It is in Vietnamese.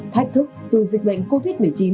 thách thức từ dịch bệnh covid một mươi chín